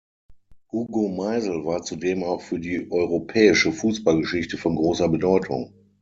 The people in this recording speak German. Hugo Meisl war zudem auch für die europäische Fußballgeschichte von großer Bedeutung.